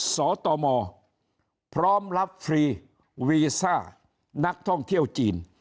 สตมพร้อมรับฟรีวีซ่านักท่องเที่ยวจีน